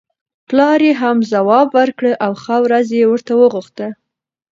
پلار یې هم ځواب ورکړ او ښه ورځ یې ورته وغوښته.